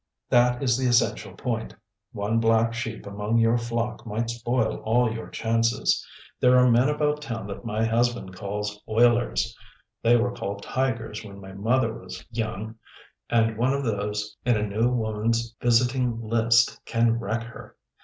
That is the essential point. One black sheep among your flock might spoil all your chances. There are men about town that my husband calls 'oilers' they were called tigers when my mother was young and one of those in a new woman's visiting list can wreck her.